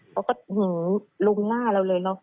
เขาก็หงลุงหน้าเราเลย